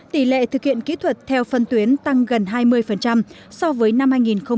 tỷ lệ thực hiện kỹ thuật theo phân tuyến tăng gần hai mươi so với năm hai nghìn một mươi bảy